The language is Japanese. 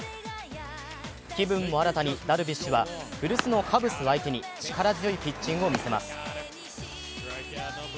気分も新たにダルビッシュは古巣のカブスを相手に力強いピッチングを見せます。